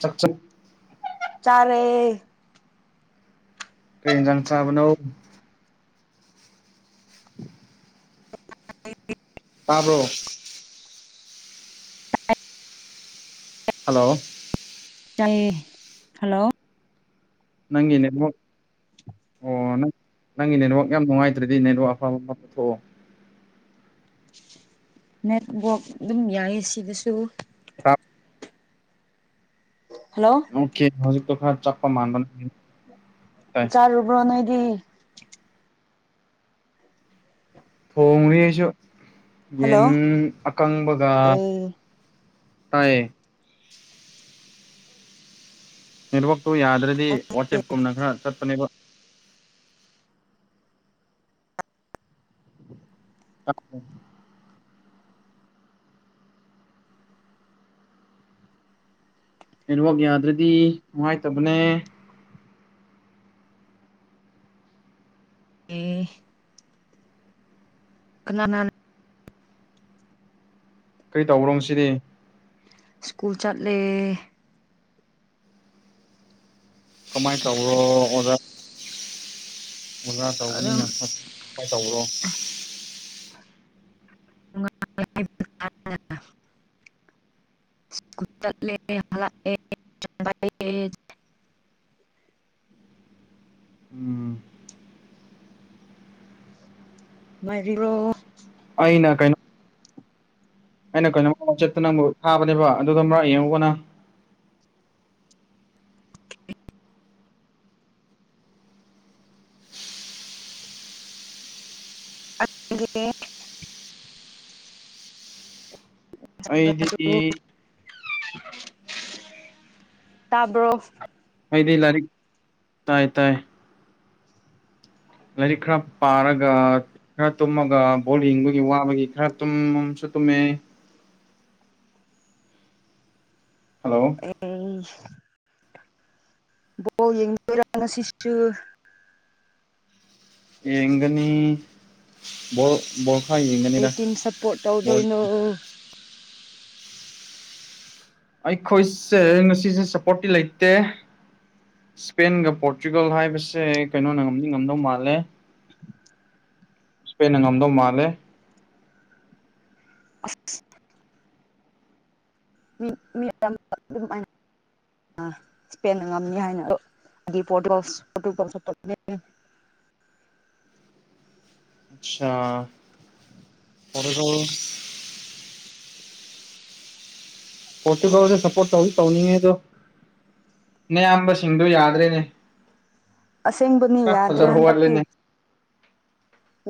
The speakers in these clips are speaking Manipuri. ꯆꯥꯛ ꯆꯥ ꯆꯥꯔꯦ ꯀꯔꯤ ꯍꯦꯟꯖꯥꯡ ꯆꯥꯕꯅꯣ [unintelligible] ꯇꯥꯕ꯭ꯔꯣ ꯍꯜꯂꯣ ꯇꯥꯏꯌꯦ ꯍꯜꯂꯣ ꯅꯪꯒꯤ ꯅꯦꯠꯋꯥꯛ ꯑꯣ ꯅꯪ ꯅꯪꯒꯤ ꯅꯦꯠꯋꯥꯛ ꯌꯥꯝ ꯅꯨꯡꯉꯥꯏꯇ꯭ꯔꯗꯤ ꯅꯦꯠꯋꯥꯛ ꯑꯐꯕ ꯑꯃ ꯄꯨꯊꯣꯛꯑꯣ ꯅꯦꯠ ꯋꯥꯛ ꯑꯗꯨꯝ ꯌꯥꯏꯌꯦ ꯁꯤꯗꯁꯨ ꯍꯜꯂꯣ ꯑꯣꯀꯦ ꯍꯧꯖꯤꯛꯇꯣ ꯈꯔ ꯆꯠꯄ ꯃꯥꯟꯕ ꯑꯗꯨꯒꯤ ꯆꯥꯛ ꯆꯥꯔꯕꯣ ꯅꯣꯏꯗꯤ ꯊꯣꯡꯔꯤ ꯑꯩꯁꯨ ꯍꯜꯂꯣ ꯌꯦꯟ ꯑꯀꯪꯕꯒ ꯑꯦ ꯇꯥꯏꯌꯦ ꯅꯦꯠꯋꯔꯥꯛꯇꯨ ꯌꯥꯗ꯭ꯔꯗꯤ ꯋꯥꯆꯦꯞꯀꯨꯝꯅ ꯈꯔ ꯆꯠꯄꯅꯦꯕ [unintelligible] ꯅꯦꯠꯋꯥꯛ ꯌꯥꯗ꯭ꯔꯗꯤ ꯅꯨꯡꯉꯥꯏꯇꯕꯅꯦ ꯎꯝꯍ ꯀꯅꯥꯅꯍꯥꯟ__ ꯀꯔꯤ ꯇꯧꯕ꯭ꯔꯣ ꯉꯁꯤꯗꯤ ꯁ꯭ꯀꯨꯜ ꯆꯠꯂꯦ ꯀꯃꯥꯏꯟ ꯇꯧꯑꯔꯣ ꯁ꯭ꯀꯨꯜ ꯑꯣꯖꯥ ꯑꯣꯖꯥ ꯑꯗꯨꯝ ꯇꯧꯕꯅꯤꯅ ꯐꯠ ꯐ ꯇꯧꯕ꯭ꯔꯣ [unintelligible] ꯁ꯭ꯀꯨꯜꯂꯦ ꯆꯠꯂꯦ ꯍꯜꯂꯛꯑꯦ [unintelligible] ꯎꯝ ꯉꯥꯏꯔꯤꯔꯣ ꯑꯩꯅ ꯀꯩꯅꯣ ꯑꯩꯅ ꯀꯩꯅꯣꯝꯃ ꯋꯥꯆꯦꯞꯇ ꯅꯪꯕꯨ ꯊꯥꯕꯅꯦꯕ ꯑꯗꯨꯗꯣ ꯑꯃꯔꯛ ꯌꯦꯡꯉꯨꯀꯣ ꯅꯪ [unintelligible] ꯑꯩꯗꯤ [unintelligible] ꯇꯥꯕ꯭ꯔꯣ ꯑꯩꯗꯤ ꯂꯥꯏꯔꯤꯛ ꯇꯥꯏ ꯇꯥꯏ ꯂꯥꯏꯔꯤꯛ ꯈꯔ ꯄꯥꯔꯒ ꯈꯔ ꯇꯨꯝꯃꯒ ꯕꯣꯜ ꯌꯦꯡꯕꯒꯤ ꯋꯥꯕꯒꯤ ꯈꯔ ꯇꯨꯝꯁꯨ ꯇꯨꯝꯃꯦ ꯍꯜꯂꯣ ꯑꯦꯁ [unintelligible] ꯕꯣꯜ ꯌꯦꯡꯗꯨꯏꯔꯥ ꯉꯁꯤꯁꯨ ꯌꯦꯡꯒꯅꯤ ꯕꯣꯜ ꯕꯣꯜ ꯈꯥꯛ ꯀꯔꯤ ꯌꯦꯡꯒꯅꯤꯗ ꯇꯤꯝ ꯁꯞꯄꯣꯔꯠ ꯕꯣꯜ ꯇꯧꯗꯣꯏꯅꯣ ꯑꯩꯈꯣꯏꯁꯦ ꯉꯁꯤꯁꯦ ꯁꯞꯄꯣꯔꯠꯇꯤ ꯂꯩꯇꯦ ꯁ꯭ꯄꯦꯟꯒ ꯄꯣꯔꯇꯨꯒꯜ ꯍꯥꯏꯕꯁꯦ ꯀꯩꯅꯣꯅ ꯉꯝꯗꯤ ꯉꯝꯗꯧ ꯃꯥꯜꯂꯦ ꯁ꯭ꯄꯦꯟꯅ ꯉꯝꯗꯧ ꯃꯥꯜꯂꯦ ꯑꯁ [unintelligible] ꯁ꯭ꯄꯦꯟꯗ ꯉꯝꯅꯤ ꯍꯥꯏꯅ [unintelligible] ꯄꯣꯔꯇꯨꯒꯜꯁꯨ [unintelligible] ꯑꯠꯁꯥ ꯄꯣꯔꯇꯨꯒꯜ ꯄꯣꯔꯇꯨꯒꯜꯗ ꯁꯄꯣꯔꯠ ꯇꯧꯗꯤ ꯇꯧꯅꯤꯡꯉꯦ ꯑꯗꯣ ꯅꯌꯥꯝꯕꯁꯤꯡꯗꯨ ꯌꯥꯗ꯭ꯔꯦꯅꯦ ꯑꯁꯦꯡꯕꯅꯤ ꯈꯔ ꯌꯥꯗ꯭ꯔꯦ ꯐꯖꯕ ꯍꯟꯗꯛꯇꯤ ꯋꯥꯠꯂꯦꯅꯦ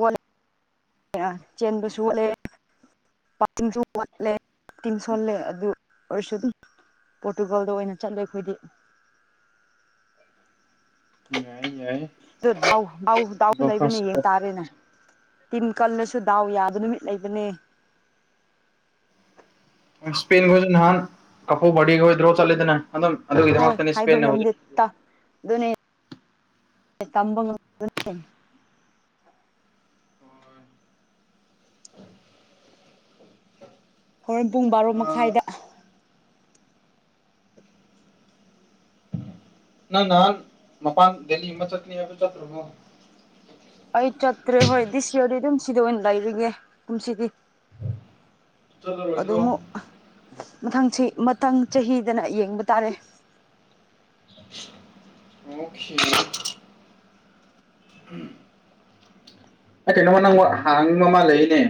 ꯋꯥꯠꯂꯦ [unintelligible] ꯆꯦꯟꯕꯁꯨ ꯋꯥꯠꯂꯦ [unintelligible] ꯋꯥꯠꯂꯦ ꯇꯤꯝ ꯁꯣꯜꯂꯦ ꯑꯗꯨ ꯑꯣꯏꯔꯁꯨ ꯑꯗꯨꯝ ꯄꯣꯔꯇꯨꯒꯜꯗ ꯑꯣꯏꯅ ꯆꯠꯂꯦ ꯑꯩꯈꯣꯏꯗꯤ ꯌꯥꯏ ꯌꯥꯏ ꯑꯗꯨ ꯗꯥꯎ ꯗꯥꯎ ꯗꯥꯎꯁꯨ ꯂꯩꯕꯅꯦ ꯌꯦꯡ ꯇꯥꯔꯦꯅꯦ ꯇꯤꯝ ꯀꯜꯂꯁꯨ ꯗꯥꯎ ꯌꯥꯕ ꯅꯨꯃꯤꯠ ꯂꯩꯕꯅꯦ ꯁ꯭ꯄꯦꯟꯈꯣꯏꯁꯨ ꯅꯍꯥꯟ ꯀꯄꯨ ꯕꯔꯗꯦꯒ ꯋꯤꯗ꯭ꯔꯣ ꯆꯠꯂꯦꯗꯅ ꯑꯗꯨꯝ ꯍꯣꯏ ꯑꯗꯨꯒꯤꯗꯃꯛꯇꯅꯤ ꯍꯥꯏꯕ ꯁ꯭ꯄꯦꯟꯅ ꯍꯧꯖꯤꯛ ꯉꯝꯗꯦ ꯇ ꯑꯗꯨꯅꯦ ꯇꯝꯕ ꯉꯝ__ ꯍꯣꯔꯦꯟ ꯄꯨꯡ ꯕꯥꯔꯣ ꯑ ꯃꯈꯥꯏꯗ ꯅꯪ ꯅꯍꯥꯟ ꯃꯄꯥꯟ ꯗꯦꯜꯂꯤꯒꯨꯝꯕ ꯆꯠꯀꯅꯤ ꯍꯥꯏꯕꯗꯨ ꯆꯠꯇ꯭ꯔꯕꯣ ꯑꯩ ꯆꯠꯇ꯭ꯔꯦ ꯍꯣꯏ ꯗꯤꯁ ꯌꯔꯗꯤ ꯑꯗꯨꯝ ꯁꯤꯗ ꯑꯣꯏꯅ ꯂꯩꯔꯒꯦ ꯀꯨꯝꯁꯤꯗꯤ ꯆꯠꯂꯔꯣꯏꯗ꯭ꯔꯣ ꯑꯗꯨꯃꯨꯛ ꯃꯊꯪ ꯆ꯭ꯍꯤ ꯃꯊꯪ ꯆꯍꯤꯗꯅ ꯌꯦꯡꯕ ꯇꯥꯔꯦ [unintelligible] ꯑꯣꯈꯦ [unintelligible] [unintelligible] ꯀꯩꯅꯣꯝꯃ ꯅꯪꯉꯣꯟ ꯍꯥꯡꯅꯤꯡꯕ ꯑꯃ ꯂꯩꯌꯦꯅꯦ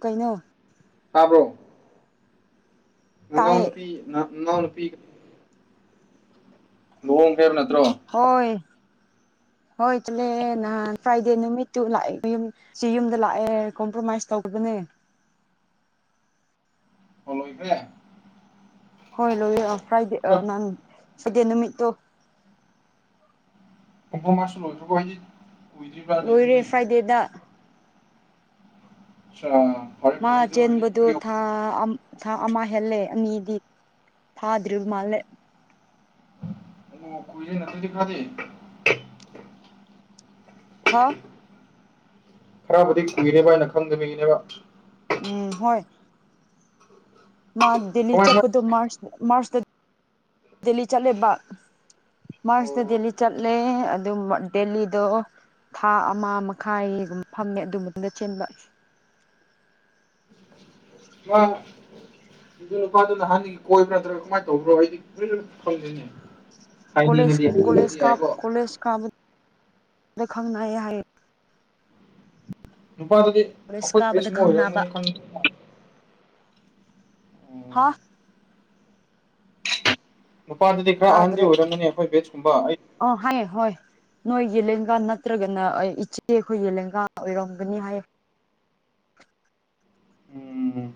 ꯀꯩꯅꯣ ꯇꯥꯕ꯭ꯔꯣ ꯅꯅꯥꯎ ꯇꯥꯏꯌꯦ ꯅꯨꯄꯤ ꯅ ꯅꯅꯥꯎ ꯅꯨꯄꯤꯒ__ ꯂꯨꯍꯣꯡꯈ꯭ꯔꯦꯕ ꯅꯠꯇ꯭ꯔꯣ ꯑꯣ ꯍꯣꯏ ꯍꯣꯏ ꯆꯠꯂꯦ ꯅꯍꯥꯟ ꯐ꯭ꯔꯥꯏꯗꯦ ꯅꯨꯃꯤꯠꯇꯨ ꯂꯥꯛꯑꯦ ꯌꯨꯝ ꯁꯤ ꯌꯨꯝꯗ ꯂꯥꯛꯑꯦ ꯀꯣꯝꯄ꯭ꯔꯣꯃꯥꯏꯁ ꯇꯧꯕꯗꯨꯅꯦ ꯍꯜꯂꯣ ꯏꯕꯦ ꯍꯣꯏ ꯂꯣꯏꯌꯦ ꯑꯥ ꯐ꯭ꯔꯥꯏꯗꯦ ꯑꯥ ꯅꯪ ꯁꯥꯟꯗꯦ ꯅꯨꯃꯤꯠꯇꯣ [unintelligible] ꯂꫭꯏꯗꯨꯔꯕꫭ ꯍꯥꯏꯗꯤ ꯂꯣꯏꯔꯦ ꯐ꯭ꯔꯥꯏꯗꯦꯗ ꯆꯥ ꯃꯥ ꯆꯦꯟꯕꯗꯨ ꯊꯥ ꯑꯥꯝ ꯊꯥ ꯑꯃ ꯍꯦꯜꯂꯦ ꯑꯅꯤꯗꯤ ꯐꯥꯗ꯭ꯔꯤꯕ ꯃꯥꯜꯂꯦ ꯑꯣ ꯀꯨꯏꯔꯦꯅ ꯑꯗꯨꯗꯤ ꯈꯥꯔꯗꯤ [unintelligible] ꯈꯔꯕꯨꯗꯤ ꯀꯨꯏꯔꯦꯕ ꯑꯩꯅ ꯈꯪꯗꯕꯒꯤꯅꯦꯕ ꯎꯝ ꯍꯣꯏ ꯃꯥ ꯗꯦꯜꯂꯤ ꯀꯃꯥꯏ ꯀꯃꯥꯏ ꯆꯠꯄꯗꯣ ꯃꯥꯔꯁ ꯃꯥꯔꯁꯇ ꯗꯦꯜꯂꯤ ꯆꯠꯂꯦꯕ ꯃꯥꯔꯁꯇ ꯑꯣ ꯗꯦꯜꯂꯤ ꯆꯠꯂꯦ ꯑꯗꯨ ꯗꯦꯜꯂꯤꯗꯣ ꯊꯥ ꯑꯃ ꯃꯈꯥꯏꯒꯨꯝꯕ ꯐꯝꯃꯦ ꯑꯗꯨ ꯃꯇꯨꯡꯗ ꯆꯦꯟꯕ [unintelligible] ꯃꯥ ꯅꯨꯨꯄꯥꯗꯨ ꯅꯍꯥꯟꯗꯒꯤ ꯀꯣꯏꯕ꯭ꯔꯥ ꯅꯠꯇ꯭ꯔꯒ ꯀꯃꯥꯏꯅ ꯇꯧꯕ꯭ꯔꯣ ꯑꯩꯗꯤ ꯈꯪꯗꯦꯅꯦ ꯍꯥꯏꯅꯤꯡꯉꯗꯤ ꯍꯥꯏꯅꯤꯡꯉꯗꯤ ꯌꯥꯏꯀꯣ ꯀꯣꯂꯦꯁ ꯀꯥꯕ ꯗ ꯈꯪꯅꯩ ꯍꯥꯏꯌꯦ ꯅꯨꯄꯥꯗꯨꯗꯤ ꯀꯣꯂꯦꯖ ꯑꯩꯈꯣꯏ ꯀꯥꯕꯗ ꯕꯦꯠꯁꯃꯨꯛ ꯈꯪꯅꯕ ꯑꯣꯏꯔꯝꯒꯅꯤ ꯈꯪꯉꯤ ꯎꯝ ꯍꯥ ꯅꯨꯄꯥꯗꯗꯤ ꯈꯔ ꯑꯍꯟꯗꯤ ꯑꯣꯏꯔꯝꯃꯅꯤ ꯑꯩꯈꯣꯏ ꯕꯦꯠꯁꯀꯨꯝꯕ ꯑꯩ ꯑꯥ ꯍꯥꯏꯌꯦ ꯍꯣꯏ ꯅꯣꯏꯒꯤ ꯂꯦꯡꯒꯥ ꯅꯠꯇ꯭ꯔꯒꯅ ꯏꯆꯦ ꯑꯩꯈꯣꯏꯒꯤ ꯂꯦꯡꯒꯥ ꯑꯣꯏꯔꯝꯒꯅꯤ ꯍꯥꯏꯌꯦ ꯎꯝ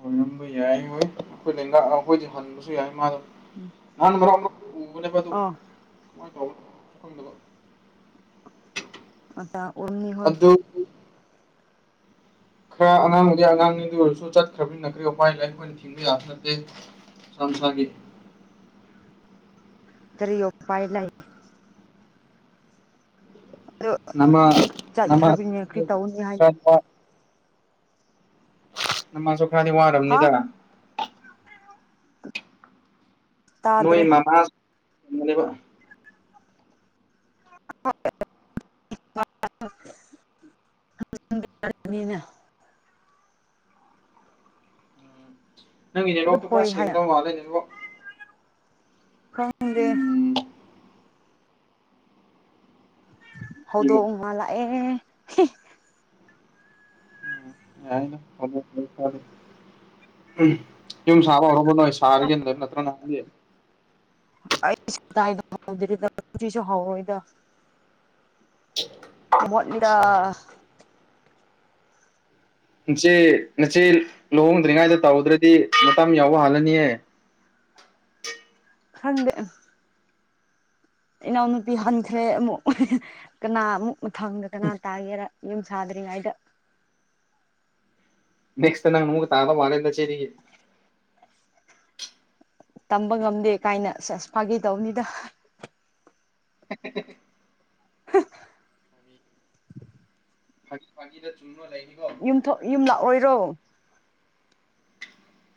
ꯑꯣꯏꯔꯝꯕ ꯌꯥꯏꯋꯣꯠ ꯑꯩꯈꯣꯏ ꯂꯦꯡꯒꯥ ꯑꯩꯈꯣꯏꯗꯩ ꯍꯟꯕꯁꯨ ꯌꯥꯏ ꯃꯥꯗꯣ ꯎꯝ ꯅꯍꯥꯟ ꯃꯔꯛ ꯃꯔꯛꯇ ꯎꯕꯅꯦꯕ ꯑꯗꯨ ꯑꯥ ꯀꯃꯥꯏ ꯇꯧꯕꯅꯣ ꯈꯪꯗꯕ [unintelligible] ꯑꯣꯏꯔꯝꯅꯤ ꯍꯣꯏ ꯑꯗꯨ ꯈꯔ ꯑꯉꯥꯡꯗꯤ ꯑꯉꯥꯡꯅꯤ ꯑꯗꯨ ꯑꯣꯏꯔꯁꯨ ꯆꯠꯈ꯭ꯔꯕꯅꯤꯅ ꯀꯔꯤ ꯎꯄꯥꯏ ꯂꯩ ꯑꯩꯈꯣꯏꯅ ꯊꯤꯡꯕ ꯌꯥꯕꯁꯨ ꯅꯠꯇꯦ ꯃꯁꯥ ꯃꯁꯥꯒꯤ ꯀꯔꯤ ꯎꯄꯥꯏ ꯂꯩ ꯑꯗꯨ ꯅꯃꯥ ꯅꯃꯥ ꯆꯥꯠꯈ꯭ꯔꯕꯅꯤꯅ ꯀꯔꯤ ꯇꯧꯅꯤ ꯍꯥꯏꯅ ꯅꯃꯥꯁꯨ ꯈ꯭ꯔꯥꯗꯤ ꯍꯥ ꯋꯥꯔꯝꯅꯤꯗ ꯅꯣꯏ ꯇꯥꯗ꯭ꯔꯦ ꯃꯃꯥꯁꯨꯅꯦꯕ [inaudible] [inaudible] ꯅꯤꯅ ꯅꯪꯒꯤ ꯑꯗꯨꯝ ꯅꯦꯠꯋꯥꯛꯇꯣ ꯈꯔ ꯍꯣꯏ ꯍꯥꯏꯅ ꯁꯦꯡꯗꯕ ꯃꯥꯜꯂꯦ ꯅꯦꯠꯋꯥꯛ ꯈꯪꯗꯦ ꯎꯝ ꯍꯧꯗꯣꯡ ꯑꯃ ꯂꯥꯛꯑꯦ ꯌꯥꯅ [unintelligible] ꯌꯨꯝ ꯁꯥꯕ ꯍꯧꯔꯕꫭ ꯅꯣꯏ ꯁꯥꯔꯒꯦꯅ ꯂꯩ ꯅꯠꯇ꯭ꯔꫭ ꯅꯍꯥꯟꯗꯤ ꯑꯁ ꯀꯗꯥꯏꯗ ꯍꯧꯗꯨꯏꯅꫭ ꯍꯧꯖꯤꯛꯁꯨ ꯍꯧꯔꯣꯏꯗ [inaudible] ꯃꯣꯠꯂꯤꯗꯥ ꯏꯆꯦ ꯅꯆꯦ ꯂꯨꯍꯣꯡꯗ꯭ꯔꯤꯉꯩꯗ ꯇꯧꯗ꯭ꯔꯗꯤ ꯃꯇꯝ ꯌꯥꯎꯕ ꯍꯥꯜꯂꯅꯤꯌꯦ ꯈꯪꯗꯦ ꯏꯅꯥꯎꯅꯨꯄꯤ ꯍꯥꯟꯈ꯭ꯔꯦ ꯑꯃꯨꯛ ꯀꯅꯥ ꯑꯃꯨꯛ ꯃꯊꯪꯗ ꯀꯅꯥ ꯇꯥꯒꯦꯔ ꯌꯨꯝ ꯁꯥꯗ꯭ꯔꯤꯉꯩꯗ ꯅꯦꯛꯁꯇ ꯅꯪ ꯃꯨꯒ ꯇꯥꯗꯧ ꯃꯥꯂꯦꯗ ꯁꯤꯗꯤ ꯇꯝꯕ ꯉꯝꯗꯦ ꯀꯥꯏꯅ ꯁꯦꯁ ꯐꯥꯒꯤ ꯇꯧꯅꯤꯗ ꯎ [unintelligible] [unintelligible] [unintelligible] ꯌꯨꯝ ꯊꯣꯛ ꯌꯨꯝ ꯂꯥꯛꯑꯣꯏꯗ꯭ꯔꯣ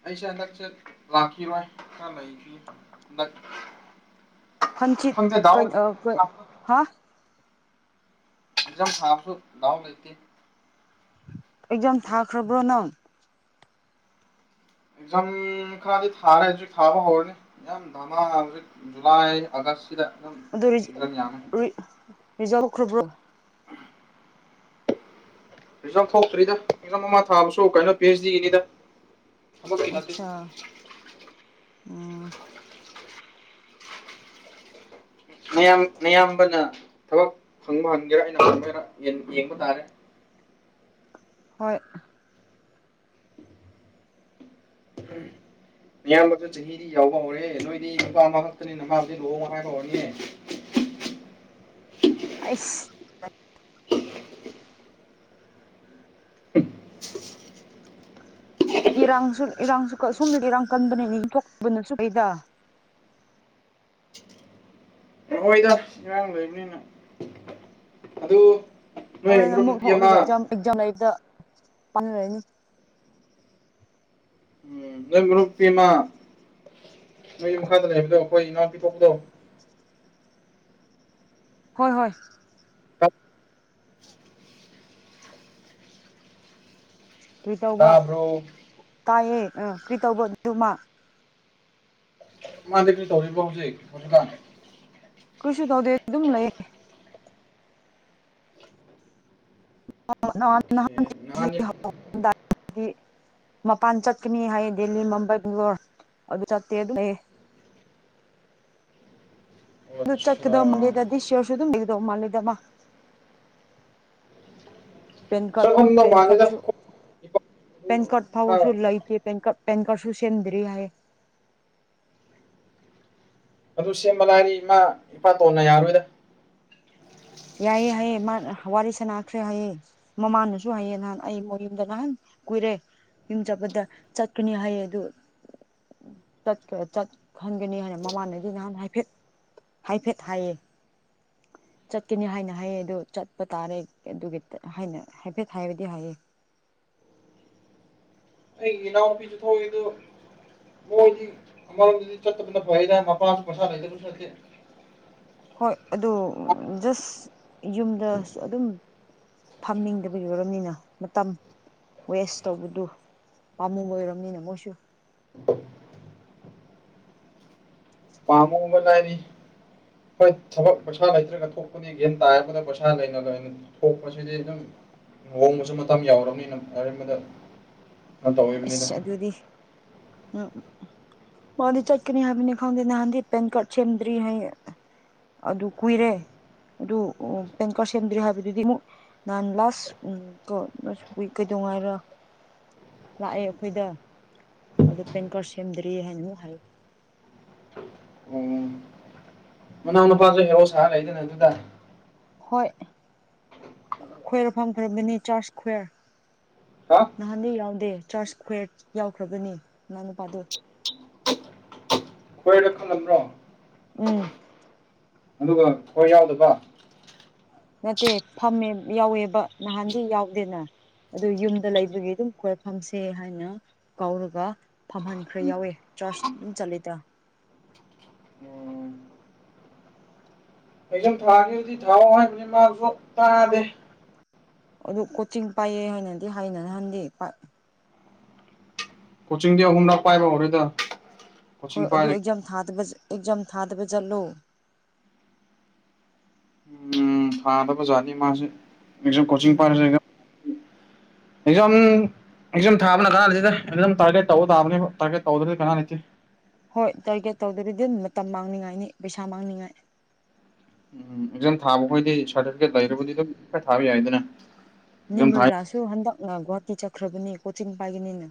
ꯑꯩꯁꯦ ꯍꯟꯗꯛꯁꯦ ꯂꯥꯛꯈꯤꯔꯣꯏ ꯈꯔ ꯂꯩꯈꯤ ꯍꯟꯗꯛ ꯍꯟꯆꯤꯠ ꯈꯪꯗꯦ ꯀ ꯗꯥꯎ ꯀꯩ ꯑꯦꯛꯖꯥꯝ ꯍꯥ ꯑꯦꯛꯖꯥꯝ ꯊꯥꯕꯗꯨ ꯗꯥꯎ ꯂꯩꯇꯦ ꯑꯦꯛꯖꯥꯝ ꯊꯥꯈ꯭ꯔꯕ꯭ꯔꯣ ꯅꯪ ꯑꯦꯛꯖꯥꯝ ꯈꯔꯗꯤ ꯊꯥꯔꯦ ꯍꯧꯖꯤꯛ ꯊꯥꯕ ꯍꯧꯔꯅꯤ ꯌꯥꯝ ꯙꯃꯥꯂ ꯍꯧꯖꯤꯛ ꯖꯨꯂꯥꯏ ꯑꯒꯁꯤꯗ ꯑꯗꯨꯝ [unintelligible] ꯌꯥꯝ ꯔꯤꯖꯥꯜ ꯈꯔꯕ꯭ꯔꯣ ꯔꯤꯖꯜ ꯊꯣꯛꯇ꯭ꯔꯤꯗ ꯑꯦꯛꯖꯥꯝ ꯑꯃ ꯊꯥꯕꯁꯨ ꯀꯩꯅꯣ ꯄꯤ ꯑꯩꯆ ꯗꯤꯒꯤꯅꯤꯗ ꯊꯕꯛꯀꯤ ꯅꯠꯇꯦ ꯑꯆꯥ ꯎꯝ ꯃꯌꯥꯝ ꯃꯌꯥꯝꯕꯅ ꯊꯕꯛ ꯐꯪꯕ ꯍꯪꯒꯦꯔꯥ ꯑꯩꯅ ꯐꯪꯒꯦꯔꯥ ꯌꯦꯡꯕ ꯇꯥꯔꯦ ꯍꯣꯏ ꯎꯝ ꯏꯌꯥꯝꯕꯁꯨ ꯆꯍꯤꯗꯤ ꯌꯥꯎꯕ ꯍꯧꯔꯦ ꯅꯣꯏꯗꯤ ꯅꯨꯄꯥ ꯑꯃꯈꯛꯇꯅꯤ ꯅꯄꯥ ꯂꯨꯍꯣꯡ ꯍꯥꯏꯕ ꯍꯧꯔꯅꯤ ꯑꯩꯁ [unintelligible] ꯏꯔꯥꯡꯁꯨ ꯏꯔꯥꯡꯁꯨ ꯁꯣꯝꯗꯗꯤ ꯏꯔꯥꯡ ꯀꯟꯕꯅ ꯏꯊꯣꯛꯄꯅꯁꯨ ꯀꯩꯗ ꯍ ꯍꯣꯏꯗ ꯏꯔꯥꯡ ꯂꯩꯕꯅꯤꯅ ꯑꯗꯨ ꯅꯣꯏ ꯍꯣꯔꯦꯟ ꯃꯔꯨꯞ ꯑꯃꯨꯛ ꯅꯨꯄꯤ ꯑꯝꯃ ꯊꯣꯛꯂꯒ ꯑꯦꯛꯖꯥꯝ ꯑꯦꯛꯖꯥꯝ ꯂꯩꯔꯤꯗ ꯄꯥꯜ ꯂꯩꯅꯤ ꯎꯝ ꯅꯣꯏ ꯃꯔꯨꯞꯅꯨꯄꯤꯃꯥ ꯅꯩ ꯃꯈꯥꯗ ꯂꯩꯕꯗꯣ ꯑꯩꯈꯣꯏ ꯏꯅꯥꯎ ꯄꯤ ꯊꯣꯛꯄꯗꯣ ꯍꯣꯏ ꯍꯣꯏ [unintelligible] [inaudible] ꯀꯔꯤ ꯇꯧꯕ ꯇꯥꯕ꯭ꯔꯣ ꯇꯥꯏꯌꯦ ꯑ ꯀꯔꯤ ꯇꯧꯕ ꯑꯗꯨꯃ ꯃꯥꯗꯤ ꯀꯔꯤ ꯇꯧꯔꯤꯕꯣ ꯍꯧꯖꯤꯛ ꯍꯧꯖꯤꯛꯀꯥꯟ ꯀꯩꯁꯨ ꯇꯧꯗꯦ ꯑꯗꯨꯝ ꯂꯩꯌꯦ ꯑꯣꯀꯦ ꯅꯍꯥꯟ ꯅꯍꯥꯟ [unintelligible] ꯃꯄꯥꯟ ꯆꯠꯀꯅꯤ ꯍꯥꯏꯌꯦ ꯗꯦꯜꯂꯤ ꯃꯝꯕꯥꯏ ꯕꯦꯡꯒꯂꯣꯔ ꯑꯗꯨ ꯆꯠꯇꯦ ꯑꯗꯨ ꯑꯩ ꯑꯗꯨ ꯑꯠꯆꯥ ꯆꯠꯀꯗꯧ ꯃꯟꯗꯦꯗ ꯗꯤꯁ ꯌꯤꯔꯁꯨ ꯑꯗꯨꯝ ꯂꯩꯒꯗꯧ ꯃꯥꯜꯂꯤꯗ ꯃꯥ ꯄꯦꯟ ꯀꯥꯔꯗ ꯆꯠꯂꯝꯗꯧ ꯄꯦꯟ ꯃꯥꯜꯂꯦꯗ ꯀꯥꯔꯗꯁꯨ ꯄꯦꯟ ꯀꯥꯔꯗ ꯈꯔ ꯐꯥꯎꯕꯁꯨ ꯂꯩꯇꯦ ꯄꯦꯟ ꯀꯥꯔꯗ ꯄꯦꯟ ꯀꯥꯔꯁꯨ ꯁꯦꯝꯗ꯭ꯔꯤ ꯍꯥꯏꯌꯦ ꯑꯗꯨ ꯁꯦꯝꯕ ꯂꯥꯏꯔꯤ ꯏꯃꯥ ꯏꯄꯥ ꯇꯣꯟꯅ ꯌꯥꯔꯣꯏꯗ ꯌꯥꯏꯑꯌꯦ ꯍꯥꯏꯑꯌꯦ ꯃꯥ ꯋꯥꯔꯤ ꯁꯅꯈ꯭ꯔꯦ ꯍꯥꯏꯌꯦ ꯃꯃꯥꯅꯁꯨ ꯍꯥꯏꯌꯦ ꯅꯍꯥꯟ ꯑꯩ ꯃꯌꯨꯝꯗ ꯅꯍꯥꯟ ꯀꯨꯏꯔꯦ ꯌꯨꯝ ꯆꯠꯄꯗ ꯆꯠꯀꯅꯤ ꯍꯥꯏꯌꯦ ꯑꯗꯨ ꯆꯠꯍꯟꯒꯅꯤ ꯍꯥꯏꯅ ꯃꯃꯥꯟꯗꯒꯤ ꯅꯍꯥꯟ ꯍꯥꯏꯐꯦꯠ ꯍꯥꯏꯐꯦꯠ ꯍꯥꯏꯌꯦ ꯆꯠꯀꯅꯤ ꯍꯥꯏꯅ ꯍꯥꯏꯌꯦ ꯑꯗꯨ ꯆꯠꯄ ꯇꯥꯔꯦ ꯑꯗꯨꯒꯤ ꯍꯥꯏꯅ ꯍꯥꯏꯐꯦꯠ ꯍꯥꯏꯕꯗꯤ ꯍꯥꯏꯌꯦ ꯑꯩꯩꯒꯤ ꯏꯅꯥꯎꯄꯤꯖꯨ ꯊꯣꯛꯏꯗꯨ ꯃꯣꯏꯗꯤ ꯑꯃꯔꯣꯝꯗꯗꯤ ꯆꯠꯇꯕꯅ ꯐꯩꯗ ꯃꯄꯥꯁꯨ ꯄꯩꯁꯥ ꯂꯩꯇꯕꯁꯨ ꯅꯠꯇꯦ ꯍꯣꯏ ꯑꯗꯨ ꯖꯁ ꯌꯨꯝ ꯑꯗꯨꯝ ꯐꯝꯅꯤꯡꯗꯕꯒꯤ ꯑꯣꯏꯔꯝꯅꯤꯅ ꯃꯇꯝ ꯋꯦꯁ ꯇꯧꯕꯗꯨ ꯄꯥꯃꯨꯕꯩ ꯑꯣꯏꯔꯝꯅꯤꯅ ꯃꯣꯏꯁꯨ ꯄꯥꯝꯃꯨꯕ ꯂꯥꯏꯔꯤ ꯍꯣꯏ ꯊꯕꯛ ꯄꯩꯁꯥ ꯂꯩꯇ꯭ꯔꯒ ꯊꯣꯛꯄꯅꯤ ꯒꯦꯟ ꯇꯥꯔꯕꯗ ꯄꯩꯁꯥ ꯂꯩꯅ [unintelligible] ꯊꯣꯛꯄꯁꯤꯗꯤ ꯑꯗꯨꯝ ꯂꯨꯍꯣꯡꯕꯁꯨ ꯃꯇꯝ ꯌꯥꯎꯔꯝꯅꯤꯅ ꯑꯔꯦꯝꯕꯗ ꯀꯩꯅꯣ ꯇꯧꯔꯤꯕꯅꯤꯗ ꯑꯁ ꯑꯗꯨꯗꯤ ꯎꯝ ꯃꯗꯤ ꯆꯠꯀꯅꯤ ꯍꯥꯏꯕꯅꯤ ꯈꯪꯗꯦ ꯅꯍꯥꯟꯗꯤ ꯄꯦꯟꯀꯥꯔꯗ ꯁꯦꯝꯗ꯭ꯔꯤ ꯍꯥꯏꯌꯦ ꯑꯗꯨ ꯀꯨꯏꯔꯦ ꯑꯗꯨ ꯄꯦꯟꯀꯔꯗ ꯁꯦꯝꯗ꯭ꯔꯤ ꯍꯥꯏꯕꯗꯨꯗꯤ ꯑꯃꯨꯛ ꯅꯍꯥꯟ ꯂꯥꯁ [unintelligible] ꯀꯩꯗꯧꯉꯥꯏꯔ ꯂꯥꯛꯑꯦ ꯑꯩꯈꯣꯏꯗ ꯑꯗꯨ ꯄꯦꯟꯀꯥꯔꯗ ꯁꯦꯝꯗꯔꯤ ꯍꯥꯏꯅ ꯑꯃꯨꯛ ꯍꯥꯏꯔꯛ ꯎꯝ ꯃꯅꯥꯎ ꯅꯨꯄꯥꯖꯨ ꯍꯦꯔꯣ ꯁꯥꯔ ꯂꯩꯗꯅ ꯑꯗꯨꯗ ꯍꯣꯏ [unintelligible] ꯍꯥ ꯅꯍꯥꯟꯗꯤ ꯌꯥꯎꯗꯦ ꯆꯥꯔꯁ ꯀꯨꯌ‌ꯦꯠ ꯌꯥꯎꯈ꯭ꯔꯕꯅꯤ ꯃꯅꯥꯎꯅꯨꯨꯄꯥꯗꯨ ꯀꯣꯏꯔ ꯈꯨꯜꯂꯝꯕ꯭ꯔꯣ ꯎꯝ ꯑꯗꯨꯒ ꯑꯩꯈ‌ꯣꯏ ꯌꯥꯎꯗꯕ ꯅꯠꯇꯦ ꯐꯝꯃꯦ ꯌꯥꯎꯋꯦꯕ ꯅꯍꯥꯟꯗꯤ ꯌꯥꯎꯗꯦꯅ ꯑꯗꯨ ꯌꯨꯝꯗ ꯂꯩꯕꯒꯤ ꯑꯗꯨꯝ [unintelligible] ꯐꯝꯁꯦ ꯍꯥꯏꯅ ꯀꯥꯎꯔꯒ ꯐꯝꯍꯟꯈ꯭ꯔꯦ ꯌꯥꯎꯋꯦ ꯆꯥꯔꯆ ꯑꯗꯨꯝ ꯆꯠꯂꯦꯗ ꯎꯝ ꯑꯦꯛꯖꯥꯝ ꯊꯥꯒ‌ꯦꯗꯤ ꯊꯥꯎꯑꯣ ꯍꯥꯏꯕꯅꯤ ꯃꯥꯁꯨ ꯇꯥꯗꯦ ꯑꯗꯨ ꯀꯣꯆꯤꯡ ꯄꯥꯏꯌ‌ꯦ ꯍꯥꯏꯅꯗꯤ ꯍꯥꯏꯅ ꯅꯍꯟꯗꯤ ꯀꯣꯆꯤꯡꯗꯤ ꯑꯍꯨꯝꯂꯛ ꯄꯥꯏꯕ ꯍꯧꯔꯦꯗ ꯍꯣꯏ ꯀꯣꯆꯤꯡ ꯑꯗꯨ ꯄꯥꯏꯔ ꯑꯦꯛꯖꯥꯝ ꯊꯗꯕ ꯑꯦꯛꯖꯥꯝ ꯊꯥꯗꯕ ꯖꯥꯠꯂꯣ ꯎꯝ ꯊꯥꯗꯕ ꯖꯥꯠꯅꯤ ꯃꯥꯁꯦ ꯑꯦꯛꯖꯥꯝ ꯀ‌ꯣꯆꯤꯡ‌ ꯎꯝ ꯄꯥꯏꯔꯁꯨ ꯑꯦꯛꯖꯥꯝ ꯑꯦꯛꯖꯥꯝ ꯊꯥꯕꯅ ꯀꯥꯟꯅꯗ‌ꯦꯗ ꯑꯦꯛꯖꯥꯝ ꯇꯥꯔꯒꯦꯠ ꯇꯧꯕ ꯇꯥꯕꯅꯦꯕ ꯇꯥꯔꯒꯦꯠ ꯇꯧꯗ꯭ꯔꯗꯤ ꯀꯥꯟꯅꯗ‌ꯦ ꯍꯣꯏ ꯇꯥꯔꯒꯦꯠ ꯇꯧꯗꯔꯗꯤ [unintelligible] ꯃꯇꯝ ꯃꯥꯡꯅꯤꯡꯉꯥꯏꯅꯤ ꯄꯩꯁꯥ ꯃꯥꯡꯅꯤꯡꯉꯥꯏ ꯎꯝꯝ ꯑꯦꯛꯖꯥꯝ ꯊꯥꯕ ꯈꯣꯏꯗꯤ ꯁꯥꯔꯇꯤꯐꯤꯀꯦꯠ ꯂꯩꯔꯕꯗꯤ ꯑꯗꯨꯝ ꯈꯔ ꯊꯥꯕ ꯌꯥꯏꯗꯅ ꯑꯦꯛꯖꯥꯝ ꯊꯥꯏ ꯅꯤꯝꯃꯔꯤꯂꯥꯁꯨ ꯍꯟꯗꯛꯅ ꯒꯨꯍꯥꯇꯤ ꯆꯠꯈ꯭ꯔꯕꯅꯤ ꯀꯣꯆꯤꯡ ꯄꯥꯏꯒꯅꯤꯅ